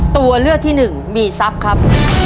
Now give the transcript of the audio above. ตัวเลือกที่หนึ่งมีทรัพย์ครับ